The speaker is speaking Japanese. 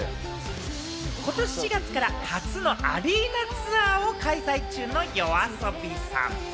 ことし４月から初のアリーナツアーを開催中のＹＯＡＳＯＢＩさん。